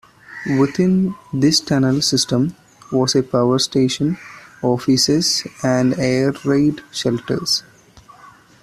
Within this tunnel system was a power station, offices and air raid shelters.